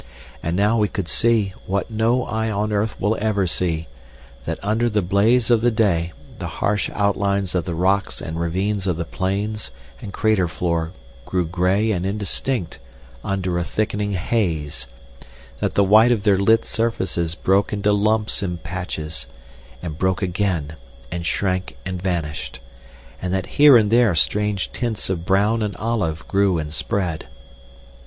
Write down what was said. And now we could see, what no eye on earth will ever see, that under the blaze of the day the harsh outlines of the rocks and ravines of the plains and crater floor grew grey and indistinct under a thickening haze, that the white of their lit surfaces broke into lumps and patches, and broke again and shrank and vanished, and that here and there strange tints of brown and olive grew and spread.